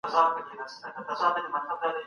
پانګوال اوس خپلې پانګې انتقالوي.